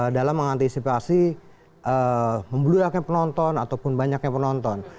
dalam mengantisipasi membludaknya penonton ataupun banyaknya penonton